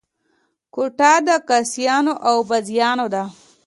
کوټه د کاسيانو او بازیانو ده.